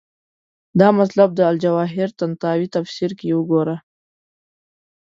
دا مطلب د الجواهر طنطاوي تفسیر کې وګورو.